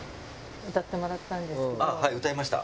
はい歌いました。